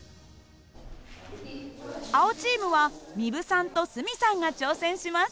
青チームは壬生さんと角さんが挑戦します。